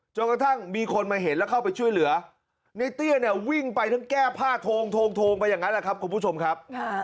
จนกระทั่งมีคนมาเห็นแล้วเข้าไปช่วยเหลือในเตี้ยเนี่ยวิ่งไปทั้งแก้ผ้าโทงไปอย่างนั้นแหละครับคุณผู้ชมครับ